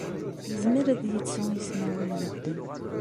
Yezmer ad yettu ismawen n medden.